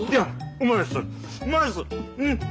うまいです。